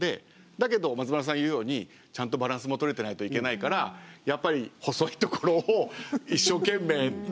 だけど松丸さん言うようにちゃんとバランスも取れてないといけないからやっぱり細いところを一生懸命投げようとする。